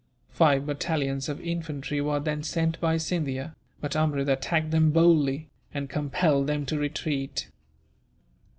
Five battalions of infantry were then sent by Scindia, but Amrud attacked them boldly, and compelled them to retreat.